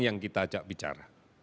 yang kita ajak bicara